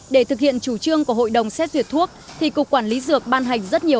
để thực hiện chủ trương của hội đồng xét duyệt thuốc thì cục quản lý dược ban hành rất nhiều